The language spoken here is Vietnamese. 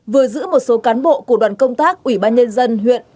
vừa giữ một số cán bộ của đoàn công tác ủy ban nhân dân huyện